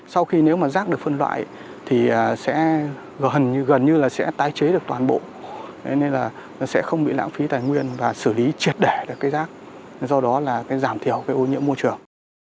sau khi nếu mà rác được phân loại thì sẽ gần như gần như là sẽ tái chế được toàn bộ nên là nó sẽ không bị lãng phí tài nguyên và xử lý triệt đẻ được cái rác do đó là giảm thiểu cái ô nhiễm môi trường